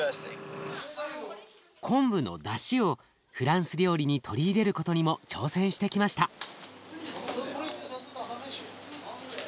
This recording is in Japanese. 昆布のだしをフランス料理に取り入れることにも挑戦してきました。